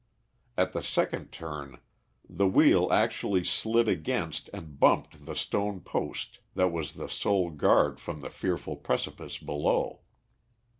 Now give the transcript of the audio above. At the second turn the wheel actually slid against and bumped the stone post that was the sole guard from the fearful precipice below.